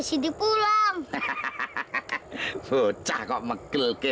sidi pulang hahaha bocah kok megil ke